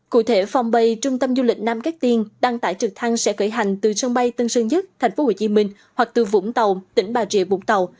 cụ thể phòng bay trung tâm du lịch nam cát tiên đăng tải trực thăng sẽ khởi hành từ sân bay tân sơn nhất tp hcm hoặc từ vũng tàu tỉnh bà rịa vũng tàu